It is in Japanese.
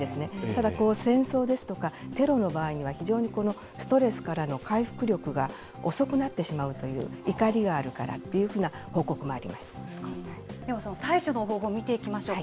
ただ、戦争ですとか、テロの場合には非常にストレスからの回復力が遅くなってしまうという、怒りがあるからっていうふうな報告も対処の方法見ていきましょう。